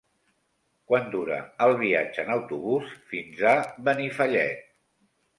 Quant dura el viatge en autobús fins a Benifallet?